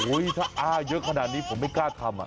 ถ้าอ้าเยอะขนาดนี้ผมไม่กล้าทำ